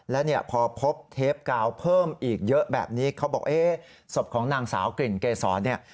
และเนี่ยพอพบเทปกาวเพิ่มอีกเยอะแบบนี้เขาบอกเอ๊ะศพของนางสาวกลิ่นเกษรเนี่ย